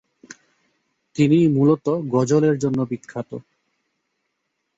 তিনি মূলতঃ গজল এর জন্য বিখ্যাত।